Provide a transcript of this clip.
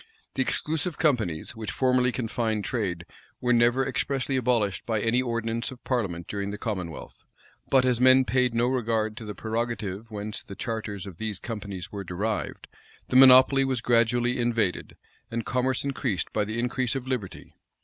The exclusive companies, which formerly confined trade, were never expressly abolished by any ordinance of parliament during the commonwealth; but as men paid no regard to the prerogative whence the charters of these companies were derived, the monopoly was gradually invaded, and commerce increased by the increase of liberty.